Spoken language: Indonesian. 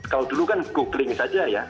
kalau dulu kan googling saja ya